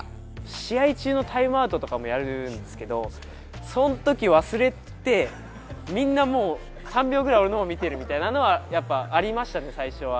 試合中のタイムアウトとかもやるんですけど、そのとき忘れて、みんなもう、３秒ぐらい俺のほう見てるみたいなのはやっぱありました、最初は。